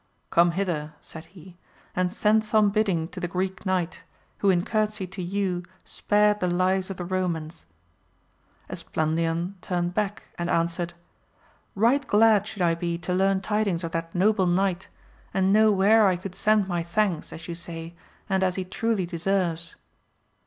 Come hither, said he, and send some bidding to the Greek Knight, who in courtesy to you spared the lives of the Eomans. Esplandian turned back and answered. Right glad should I be to learn tidings of AMADIS OF GAUL. 115 that noble knight and know where I could send my thanks, as you say, and as he truly deserves.